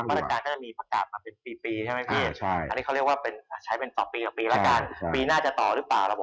มันมีวันบรรยาได้เหรอนะครับ